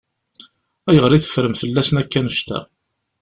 Ayɣer i teffrem fell-asen akk annect-a?